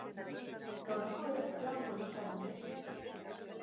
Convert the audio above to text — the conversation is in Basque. Gaurko ere plan polita dute.